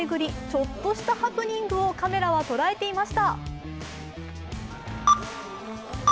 ちょっとしたハプニングをカメラは捉えていました。